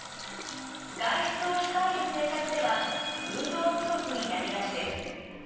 外出を控える生活では運動不足になりがちです。